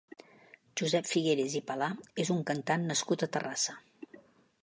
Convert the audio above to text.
Josep Figueres i Palà és un cantant nascut a Terrassa.